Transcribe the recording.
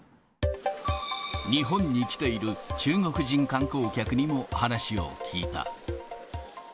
日本に来ている中国人観光客にも話を聞いた。